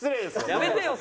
やめてよ